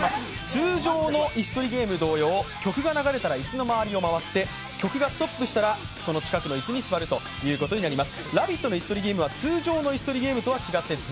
通常の椅子取りゲーム同様曲が流れたら椅子の周りを回って、曲がストップしたらその近くに椅子に座るということになります。